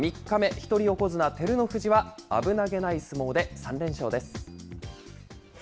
一人横綱・照ノ富士は、危なげない相撲で３連勝です。